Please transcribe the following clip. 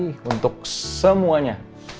terima kasih untuk semuanya